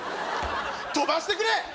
飛ばしてくれ！